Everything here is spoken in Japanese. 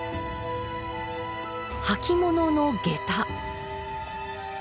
履き物の下駄。